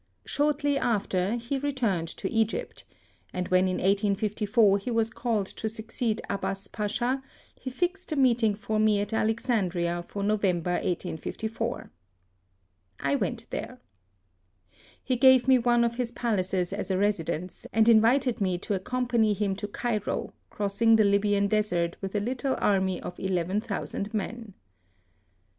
Shortly after he re turned to Egypt, and when in 1854 he was called to succeed Abbas Pacha, he fixed a meeting for me at Alexandria for November 1854. I went there. He gave me one of his palaces as a residence, and invited me to accompany him to Cairo, crossing the THE SUEZ CANAL. 11 Libyan desert with a little army of eleven thousand men.